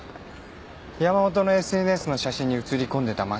山本のＳＮＳの写真に写り込んでた漫喫。